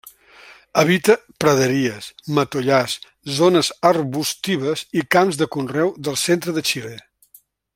Habita praderies, matollars, zones arbustives i camps de conreu del centre de Xile.